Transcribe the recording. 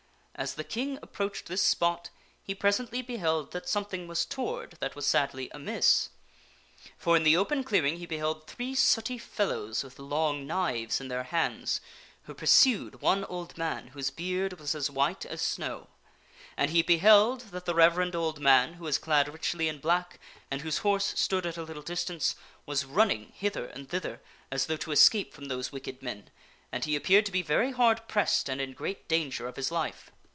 As the King approached this spot, he presently beheld that something was toward that was sadly amiss. For, in the open clearing, he beheld three sooty fellows with long knives in their hands, who pursued one old man, whose beard was as white as snow. And he beheld that the rev erend old man, who was clad richly in black, and whose horse stood at a little distance, was running hither and thither, as though to escape from those wicked men, and he appeared to be very hard pressed and in great danger of his life.